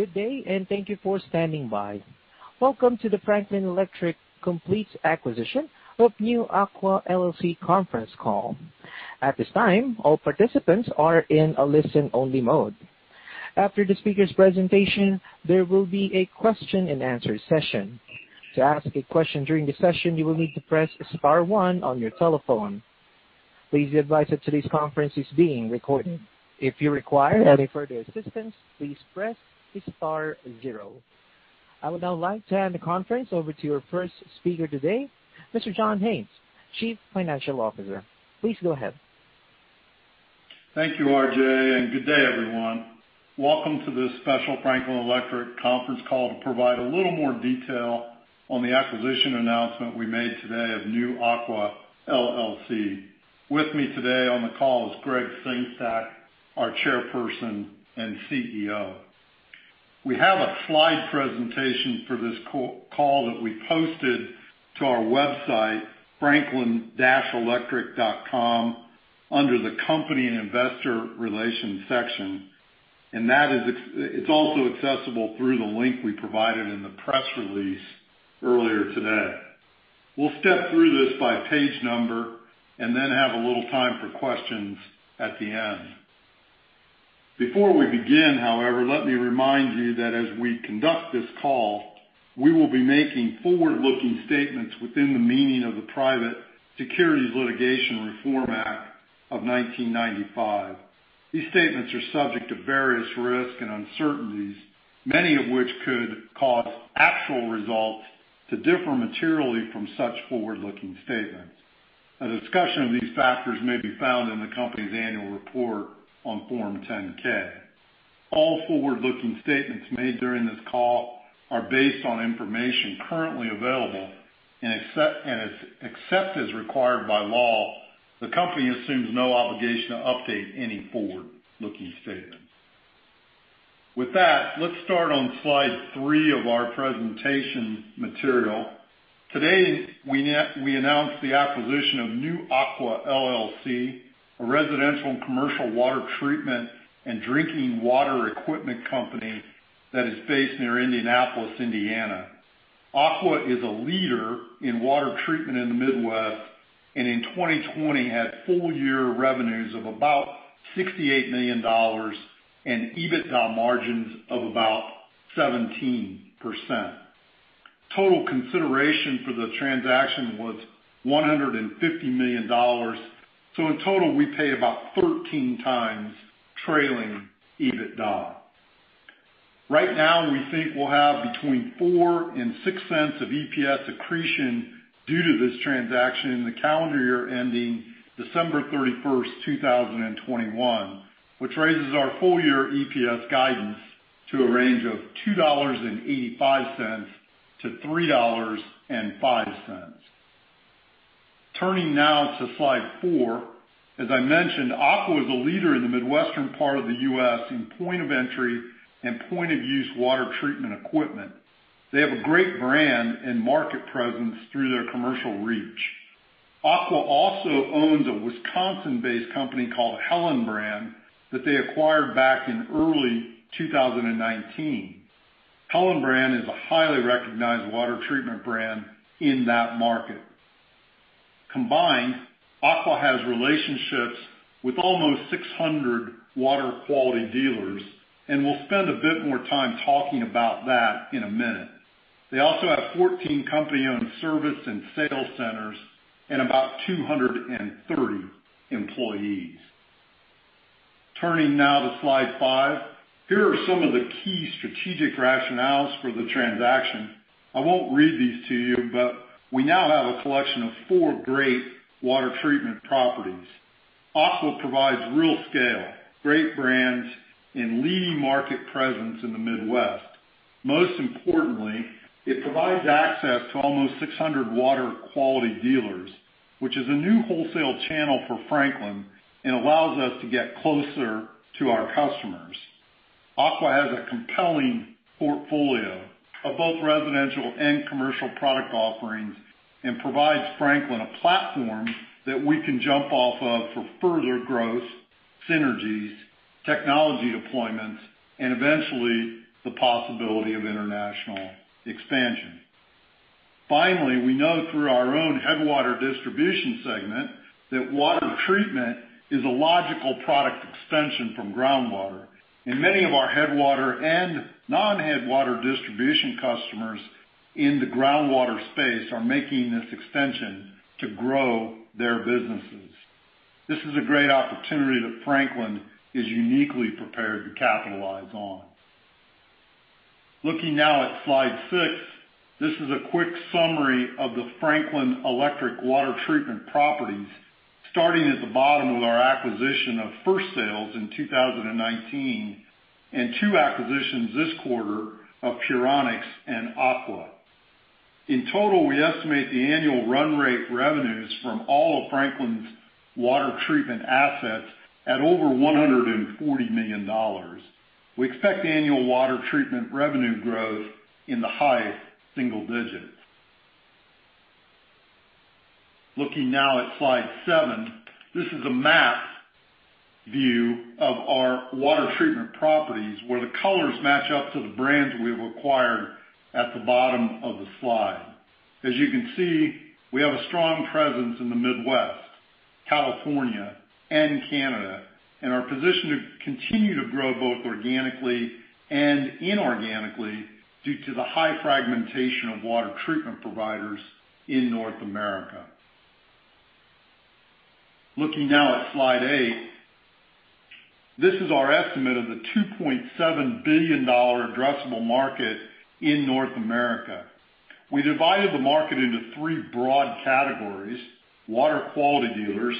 Good day and thank you for standing by. Welcome to the Franklin Electric Complete Acquisition of New Aqua LLC conference call. At this time, all participants are in a listen-only mode. After the speaker's presentation, there will be a question-and-answer session. To ask a question during the session, you will need to press star one on your telephone. Please be advised that today's conference is being recorded. If you require any further assistance, please press star zero. I would now like to hand the conference over to your first speaker today, Mr. John Haines, Chief Financial Officer. Please go ahead. Thank you, RJ, and good day, everyone. Welcome to this special Franklin Electric conference call to provide a little more detail on the acquisition announcement we made today of New Aqua LLC. With me today on the call is Gregg Sengstack, our Chairperson and CEO. We have a slide presentation for this call that we posted to our website, franklin-electric.com, under the Company and Investor Relations section, and it's also accessible through the link we provided in the press release earlier today. We'll step through this by page number and then have a little time for questions at the end. Before we begin, however, let me remind you that as we conduct this call, we will be making forward-looking statements within the meaning of the Private Securities Litigation Reform Act of 1995. These statements are subject to various risks and uncertainties, many of which could cause actual results to differ materially from such forward-looking statements. A discussion of these factors may be found in the company's annual report on Form 10-K. All forward-looking statements made during this call are based on information currently available, and except as required by law, the company assumes no obligation to update any forward-looking statements. With that, let's start on slide three of our presentation material. Today, we announced the acquisition of New Aqua LLC, a residential and commercial water treatment and drinking water equipment company that is based near Indianapolis, Indiana. Aqua is a leader in water treatment in the Midwest and in 2020 had full-year revenues of about $68 million and EBITDA margins of about 17%. Total consideration for the transaction was $150 million, so in total we paid about 13x trailing EBITDA. Right now, we think we'll have between $0.04 and $0.06 of EPS accretion due to this transaction in the calendar year ending December 31st, 2021, which raises our full-year EPS guidance to a range of $2.85-$3.05. Turning now to slide four. As I mentioned, Aqua is a leader in the Midwestern part of the U.S. in point-of-entry and point-of-use water treatment equipment. They have a great brand and market presence through their commercial reach. Aqua also owns a Wisconsin-based company called Hellenbrand that they acquired back in early 2019. Hellenbrand is a highly recognized water treatment brand in that market. Combined, Aqua has relationships with almost 600 water quality dealers, and we'll spend a bit more time talking about that in a minute. They also have 14 company-owned service and sales centers and about 230 employees. Turning now to slide five. Here are some of the key strategic rationales for the transaction. I won't read these to you, but we now have a collection of four great water treatment properties. Aqua provides real scale, great brands, and leading market presence in the Midwest. Most importantly, it provides access to almost 600 water quality dealers, which is a new wholesale channel for Franklin and allows us to get closer to our customers. Aqua has a compelling portfolio of both residential and commercial product offerings and provides Franklin a platform that we can jump off of for further growth, synergies, technology deployments, and eventually the possibility of international expansion. Finally, we know through our own Headwater distribution segment that water treatment is a logical product extension from groundwater, and many of our Headwater and non-Headwater distribution customers in the groundwater space are making this extension to grow their businesses. This is a great opportunity that Franklin is uniquely prepared to capitalize on. Looking now at slide six, this is a quick summary of the Franklin Electric water treatment properties, starting at the bottom with our acquisition of First Sales in 2019 and two acquisitions this quarter of Puronics and Aqua. In total, we estimate the annual run-rate revenues from all of Franklin's water treatment assets at over $140 million. We expect annual water treatment revenue growth in the high single digits. Looking now at slide seven, this is a map view of our water treatment properties where the colors match up to the brands we have acquired at the bottom of the slide. As you can see, we have a strong presence in the Midwest, California, and Canada, and our position to continue to grow both organically and inorganically due to the high fragmentation of water treatment providers in North America. Looking now at slide eight, this is our estimate of the $2.7 billion addressable market in North America. We divided the market into three broad categories. Water quality dealers,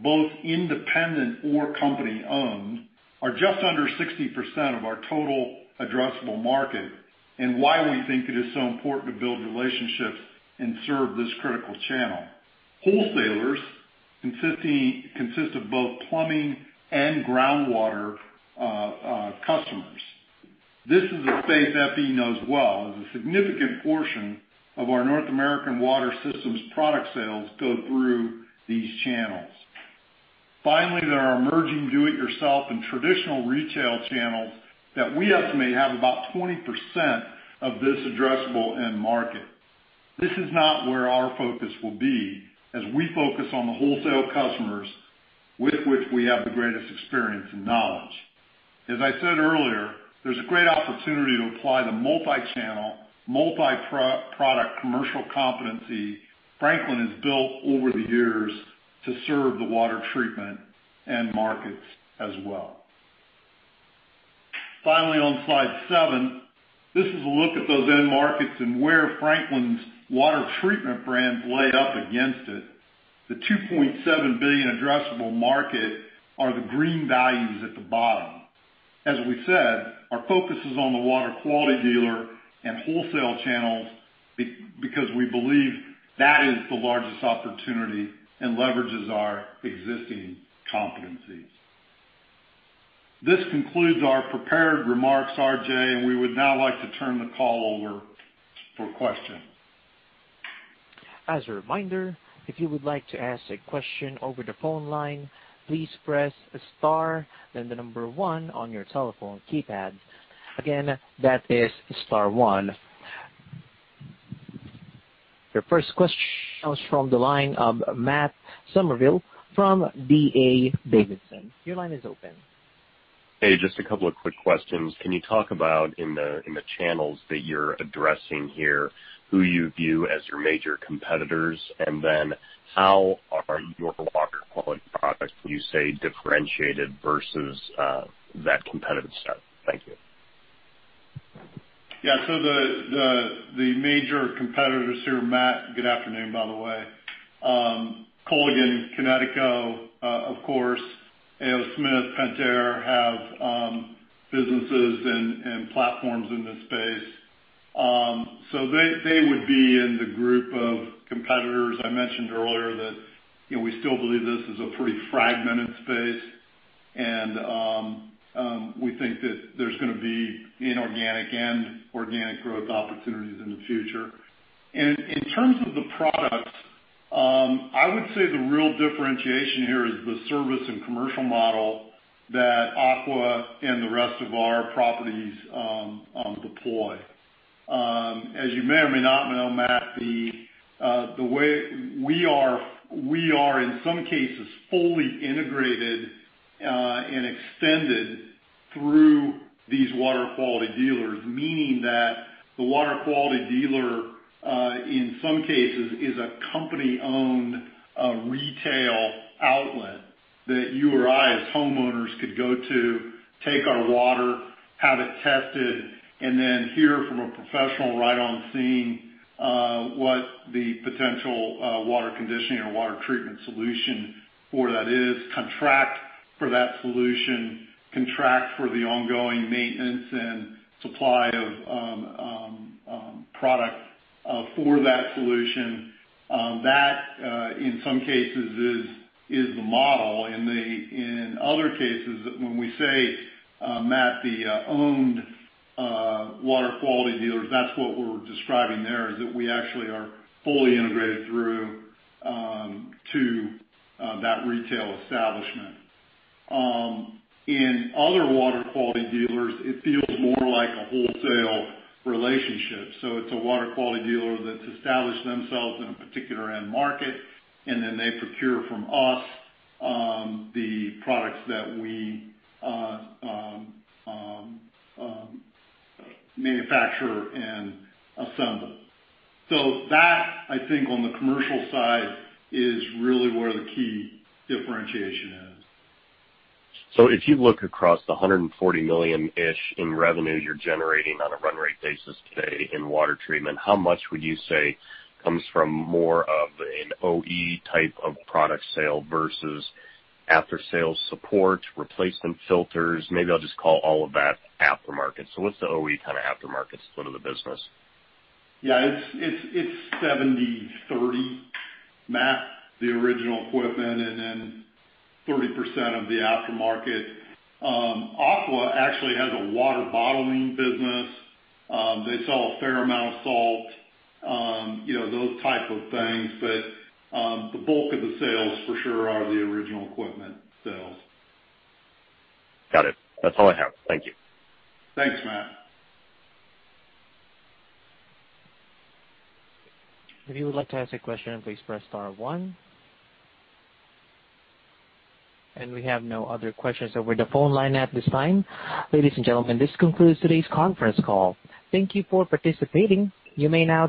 both independent or company-owned, are just under 60% of our total addressable market and why we think it is so important to build relationships and serve this critical channel. Wholesalers consist of both plumbing and groundwater customers. This is a space FE knows well, as a significant portion of our North American water systems product sales go through these channels. Finally, there are emerging do-it-yourself and traditional retail channels that we estimate have about 20% of this addressable end market. This is not where our focus will be, as we focus on the wholesale customers with which we have the greatest experience and knowledge. As I said earlier, there's a great opportunity to apply the multi-channel, multi-product commercial competency Franklin has built over the years to serve the water treatment end markets as well. Finally, on slide seven, this is a look at those end markets and where Franklin's water treatment brands lay up against it. The $2.7 billion addressable market are the green values at the bottom. As we said, our focus is on the water quality dealer and wholesale channels because we believe that is the largest opportunity and leverages our existing competencies. This concludes our prepared remarks, RJ, and we would now like to turn the call over for questions. As a reminder, if you would like to ask a question over the phone line, please press star and the number one on your telephone keypad. Again, that is star one. Your first question comes from the line of Matt Summerville from D.A. Davidson. Your line is open. Hey, just a couple of quick questions. Can you talk about, in the channels that you're addressing here, who you view as your major competitors, and then how are your water quality products, would you say, differentiated versus that competitive set? Thank you. Yeah, so the major competitors here, Matt, good afternoon, by the way, Culligan, Kinetico, of course, A. O. Smith, Pentair have businesses and platforms in this space. So they would be in the group of competitors I mentioned earlier that we still believe this is a pretty fragmented space, and we think that there's going to be inorganic and organic growth opportunities in the future. And in terms of the products, I would say the real differentiation here is the service and commercial model that Aqua and the rest of our properties deploy. As you may or may not know, Matt, the way we are, in some cases, fully integrated and extended through these water quality dealers, meaning that the water quality dealer, in some cases, is a company-owned retail outlet that you or I, as homeowners, could go to, take our water, have it tested, and then hear from a professional right on scene what the potential water conditioning or water treatment solution for that is, contract for that solution, contract for the ongoing maintenance and supply of product for that solution. That, in some cases, is the model. In other cases, when we say, Matt, the owned water quality dealers, that's what we're describing there, is that we actually are fully integrated through to that retail establishment. In other water quality dealers, it feels more like a wholesale relationship. So it's a water quality dealer that's established themselves in a particular end market, and then they procure from us the products that we manufacture and assemble. So that, I think, on the commercial side is really where the key differentiation is. So if you look across the $140 million-ish in revenue you're generating on a run-rate basis today in water treatment, how much would you say comes from more of an OE type of product sale versus after-sales support, replacement filters? Maybe I'll just call all of that aftermarket. So what's the OE kind of aftermarket split of the business? Yeah, it's 70/30, Matt, the original equipment and then 30% of the aftermarket. Aqua actually has a water bottling business. They sell a fair amount of salt, those types of things, but the bulk of the sales, for sure, are the original equipment sales. Got it. That's all I have. Thank you. Thanks, Matt. If you would like to ask a question, please press star one. And we have no other questions, so we're at the phone line at this time. Ladies and gentlemen, this concludes today's conference call. Thank you for participating. You may now.